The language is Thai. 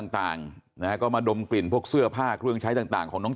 ต่างนะฮะก็มาดมกลิ่นพวกเสื้อผ้าเครื่องใช้ต่างของน้อง